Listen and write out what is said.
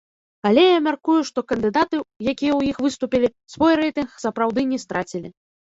Але я мяркую, што кандыдаты, якія ў іх выступілі, свой рэйтынг сапраўды не страцілі.